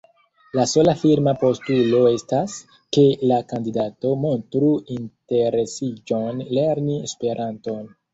La sola firma postulo estas, ke la kandidato “montru interesiĝon lerni Esperanton”.